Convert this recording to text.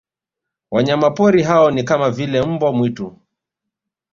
Wanyamapori hao ni kama vile mbwa mwitu